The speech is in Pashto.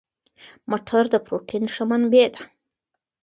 مټر د پروتین ښه منبع ده.